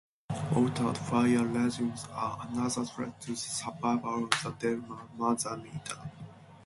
Altered fire regimes are another threat to the survival of the Del mar Manzanita.